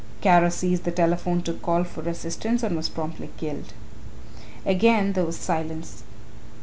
Kara seized the telephone to call for assistance and was promptly killed." Again there was silence.